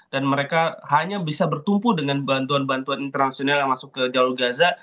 dan mereka hanya bisa bertumpu dengan bantuan bantuan internasional yang masuk ke jawa gaza